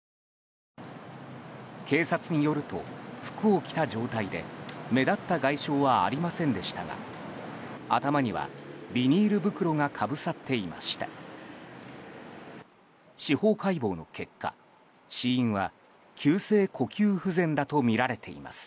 警察によると、服を着た状態で目立った外傷はありませんでしたが頭にはビニール袋がかぶさっていました。